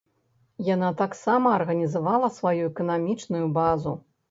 Яна таксама арганізавала сваю эканамічную базу.